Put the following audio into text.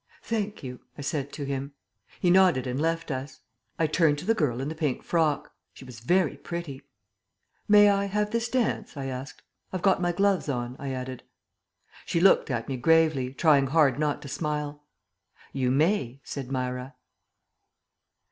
"Thank you," I said to him. He nodded and left us. I turned to the girl in the pink frock. She was very pretty. "May I have this dance?" I asked. "I've got my gloves on," I added. She looked at me gravely, trying hard not to smile. "You may," said Myra.